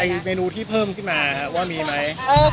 เหมือนกับเมนูที่เพิ่มขึ้นมาว่ามีมั้ย